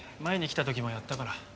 前に来た時もやったから。